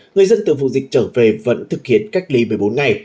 người dân từ vùng dịch trở về vẫn thực hiện cách ly một mươi bốn ngày